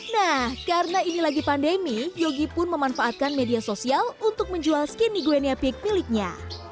nah karena ini lagi pandemi yogi pun memanfaatkan media sosial untuk menjual skinny gloenia pick miliknya